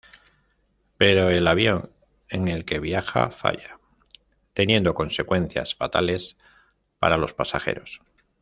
Pero el avión en el que viaja falla, teniendo consecuencias fatales para los pasajeros.